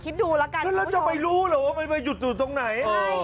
คิดดูล่ะกันคุณผู้ชมแล้วจะไปรู้หรือว่าว่ามันจะหยุดอยู่ตรงไหนโอ้โห